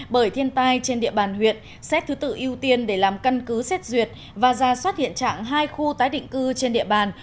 bởi thiên tai trên địa bàn huyện xét thứ tự ưu tiên để làm căn cứ xét duyệt và ra soát hiện trạng hai khu tái định cư trên địa bàn